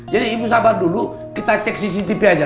jadi ibu sabar dulu kita cek cctv aja